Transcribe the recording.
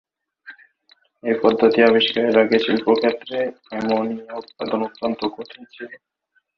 এই পদ্ধতি আবিষ্কারের আগে শিল্পক্ষেত্রে অ্যামোনিয়া উৎপাদন অত্যন্ত কঠিন ছিল।